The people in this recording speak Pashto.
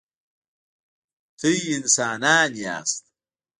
تاسي انسانان یاست.